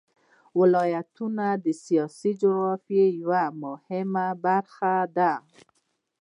ولایتونه د سیاسي جغرافیه یوه مهمه برخه ده.